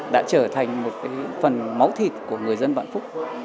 đã trở thành một phần máu thịt của người dân vạn phúc